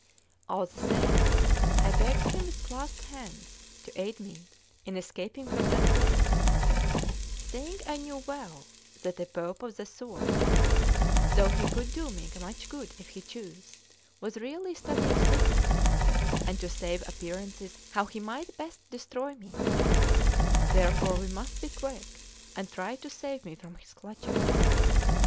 All the same I begged him with clasped hands to aid me in escaping from that place, saying I knew well that a Pope of that sort, though he could do me much good if he chose, was really studying secretly, and to save appearances, how he might best destroy me; therefore we must be quick and try to save me from his clutches.